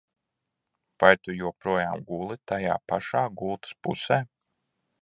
Vai tu joprojām guli tajā pašā gultas pusē?